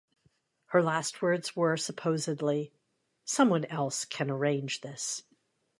Her last words were supposedly, "Someone else can arrange this".